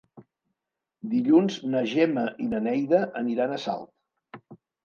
Dilluns na Gemma i na Neida aniran a Salt.